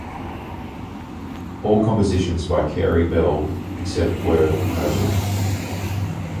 All compositions by Carey Bell except where noted